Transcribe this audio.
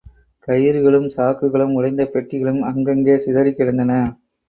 கயிறுகளும், சாக்குகளும், உடைந்த பெட்டிகளும் அங்கங்கே சிதறிக் கிடந்தன.